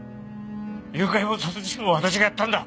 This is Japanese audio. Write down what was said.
誘拐も殺人も私がやったんだ。